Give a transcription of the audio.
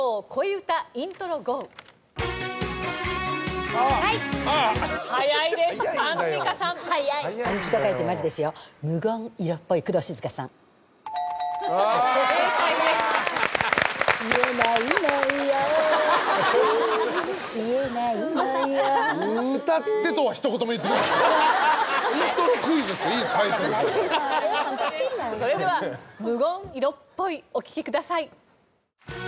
それでは『ＭＵＧＯ・ん色っぽい』お聴きください。